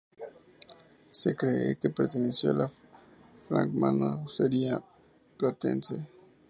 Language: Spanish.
Se cree que perteneció a la Francmasonería platense.